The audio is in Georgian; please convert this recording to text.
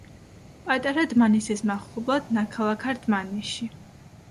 პატარა დმანისის მახლობლად, ნაქალაქარ დმანისში.